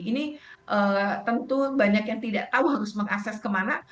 ini tentu banyak yang tidak tahu harus mengakses kemana